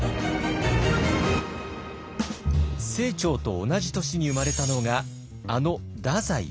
清張と同じ年に生まれたのがあの太宰治。